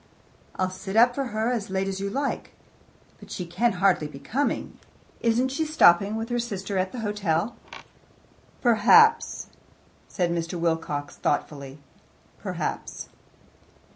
"I'll sit up for her as late as you like, but she can hardly be coming. Isn't she stopping with her sister at the hotel?" "Perhaps," said Mr. Wilcox thoughtfully "perhaps."